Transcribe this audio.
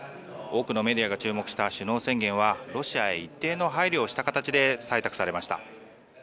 多くのメディアが注目した首脳宣言はロシアへ一定の配慮をした形で採択されました。